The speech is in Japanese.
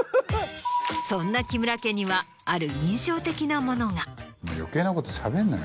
そんな木村家にはある印象的なものが。